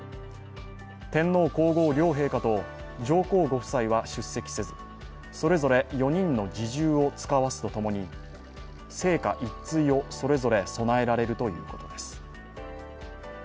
天皇皇后両陛下と上皇ご夫妻は出席せずそれぞれ４人の侍従をつかわすとともに生花一対をそれぞれ備えられるということです。